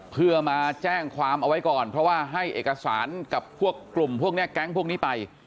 เพื่อมาแจ้งความเอาไว้ก่อนเพราะว่าให้เอกสารกับพวกกลุ่มพวกนี้แก๊งพวกนี้ไป